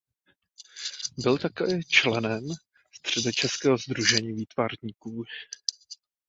Byl také členem Středočeského sdružení výtvarníků.